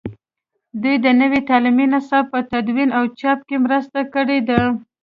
دوی د نوي تعلیمي نصاب په تدوین او چاپ کې مرسته کړې ده.